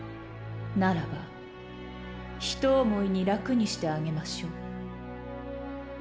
ならばひとおもいに楽にしてあげましょう